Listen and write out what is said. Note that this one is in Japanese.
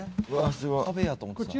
壁やと思ってた。